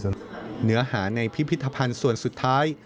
ส่วนเนื้อหาในพิพิธภัณฑ์ส่วนสุดท้าย